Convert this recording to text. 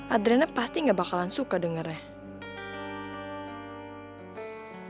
adrena pasti gak bakalan suka dengarnya